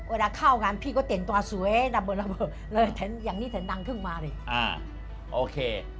เวลาเข้ากันพี่ก็เต่นตัวสวยอย่างนี้เต่นดังขึ้นมาเลย